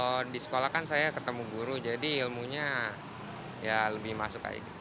kalau di sekolah kan saya ketemu guru jadi ilmunya ya lebih masuk kayak gitu